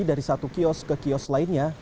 dari satu kios ke kios lainnya